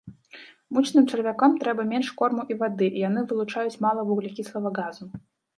Мучным чарвякам трэба менш корму і вады, і яны вылучаюць мала вуглякіслага газу.